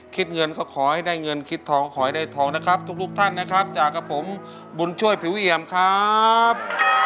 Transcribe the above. คิดเงินก็ขอให้ได้เงินคิดทองขอให้ได้ทองนะครับทุกท่านนะครับจากกับผมบุญช่วยผิวเอี่ยมครับ